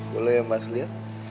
boleh mas lihat